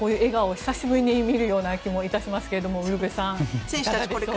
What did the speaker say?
久しぶりに見る気もしますがウルヴェさん、いかがですか。